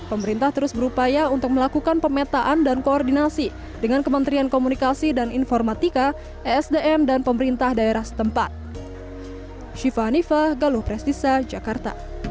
pemerintah terus berupaya untuk melakukan pemetaan dan koordinasi dengan kementerian komunikasi dan informatika esdm dan pemerintah daerah setempat